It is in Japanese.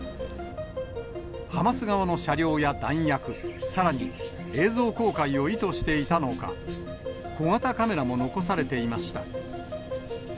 ハマス側の車両や弾薬、さらに映像公開を意図していたのか、小型カメラも残されていました。